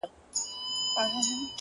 ژړا مي وژني د ژړا اوبـو تـه اور اچـوي.